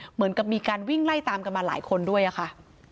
เหมือนกับมีการวิ่งไล่ตามกันมาหลายคนด้วยอะค่ะ